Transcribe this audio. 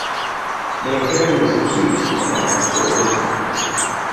Their hearing is acute but they have poor vision.